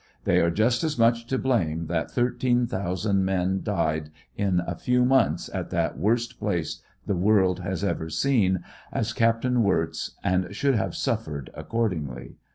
They are just as much to blame that thirteen thousand men died in a few months at that worst place the world has ever seen, as Capt. Wirtz, and should have suffered accordingly.